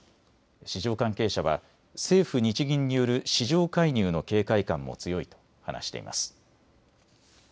市場関係者は政府・日銀による市場介入の警戒感も強いと話しています。